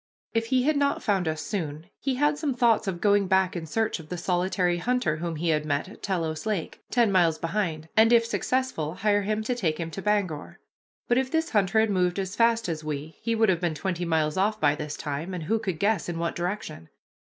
If he had not found us soon he had some thoughts of going back in search of the solitary hunter whom we had met at Telos Lake, ten miles behind, and, if successful, hire him to take him to Bangor. But if this hunter had moved as fast as we, he would have been twenty miles off by this time, and who could guess in what direction?